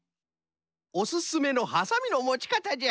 おすすめのはさみのもち方じゃ。